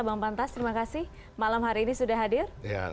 bang pantas terima kasih malam hari ini sudah hadir